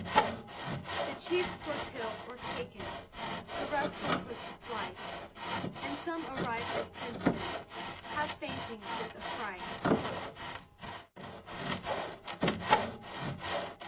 The chiefs were kill'd or taken, The rest were put to flight, And some arrived at Princeton, Half fainting with affright.